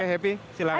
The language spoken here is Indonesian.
oke happy silahkan